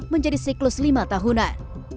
menjadi siklus lima tahunan